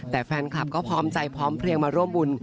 แต่แฟนคลับก็พร้อมใจพร้อมเพลียงมาร่วมบุญ